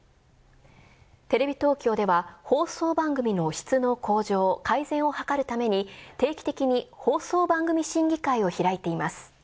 テレビ東京では放送番組の質の向上・改善を図るために定期的に放送番組審議会を開いています。